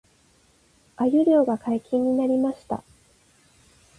鮎漁が解禁になりました